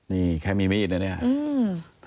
นี่แค่มีไม่เองเลยผม